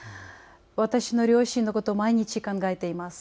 私の両親のことを毎日、考えています。